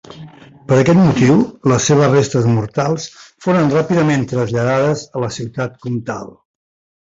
Per aquest motiu, les seves restes mortals foren ràpidament traslladades a la ciutat comtal.